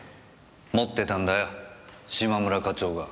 持ってたんだよ嶋村課長が。